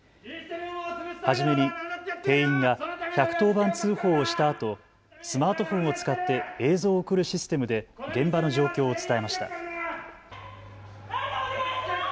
初めに店員が１１０番通報をしたあと、スマートフォンを使って映像を送るシステムで現場の状況を伝えました。